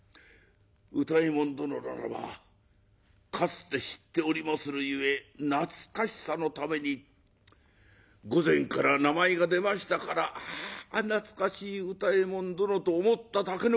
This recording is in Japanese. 歌右衛門殿ならばかつて知っておりまするゆえ懐かしさのために御前から名前が出ましたからあ懐かしい歌右衛門殿と思っただけのことでございます。